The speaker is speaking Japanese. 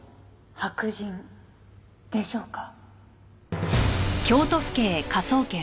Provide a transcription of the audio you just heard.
白人でしょうか？